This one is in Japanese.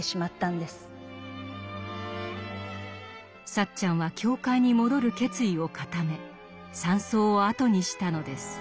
サッチャンは教会に戻る決意を固め山荘を後にしたのです。